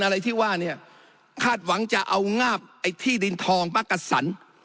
อะไรที่ว่าเนี่ยคาดหวังจะเอางาบไอ้ที่ดินทองปักกะสัน